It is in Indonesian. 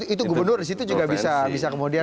itu gubernur disitu juga bisa kemudian